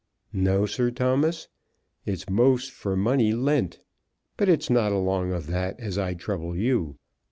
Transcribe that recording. "No, Sir Thomas. It's most for money lent; but it's not along of that as I'd trouble you.